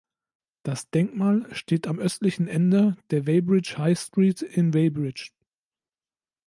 Das Denkmal steht am östlichen Ende der Weybridge High Street in Weybridge.